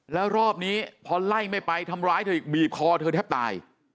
แล้วรอบนี้พอไล่ไม่ไปทำร้ายเธออีกบีบคอเธอแทบตาย